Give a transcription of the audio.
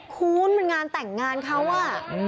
คุณมันงานแต่งงานเขาอ่ะ